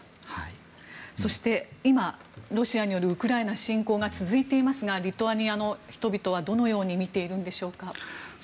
そして、今ロシアによるウクライナ侵攻が続いていますがリトアニアの人々は、どのように見ているのでしょうか。